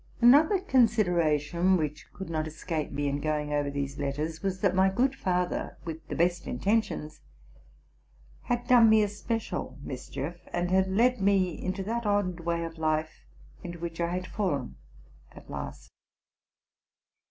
Another consideration which could not escape me in going over these letters, was that my good. father, with the best intentions, hud done me a special 'mischief, and had led me into that odd way of life into which I had fallen at last.